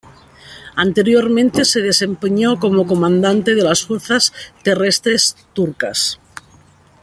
Anteriormente se desempeñó como comandante de las fuerzas terrestres turcas.